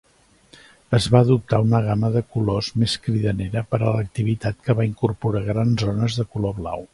Es va adoptar una gama de colors més cridanera per a l'activitat que va incorporar grans zones de color blau.